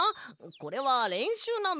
これはれんしゅうなんだ。